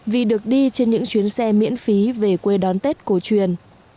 vì được đi trên những chuyến xe miễn phí về quê đón tết cổ truyền